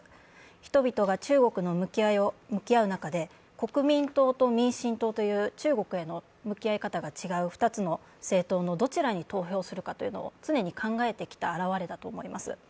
人々が中国と向き合う中で、国民党と民進党という中国への向き合い方が違う２つの政党のどちらに投票するかというのを常に考えてきた現れだと思います。